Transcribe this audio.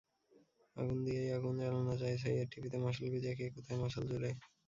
আগুন দিয়াই আগুন জ্বালানো যায়, ছাই-এর টিপিতে মশাল গুজিয়া কে কোথায় মশাল জুলে?